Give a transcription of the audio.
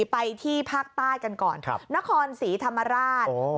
ไปที่ภาคใต้กันก่อนนครศรีธรรมราช